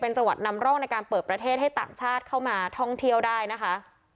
จังหวัดนำร่องในการเปิดประเทศให้ต่างชาติเข้ามาท่องเที่ยวได้นะคะ